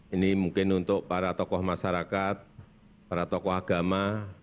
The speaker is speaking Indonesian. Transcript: ini mungkin untuk para tokoh masyarakat para tokoh agama